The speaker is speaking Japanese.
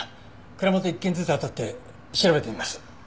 蔵元を一軒ずつあたって調べてみます。